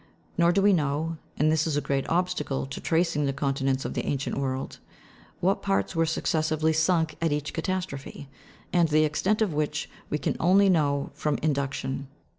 Nor do w r e know, and this is a great obstacle to tracing the continents of the ancient world, what parts were successively sunk at each catastrophe, and the extent of which we can only know from induc tion.